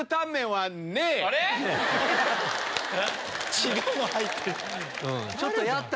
違うの入ってる。